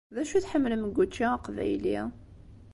D acu i tḥemmlem deg učči aqbayli?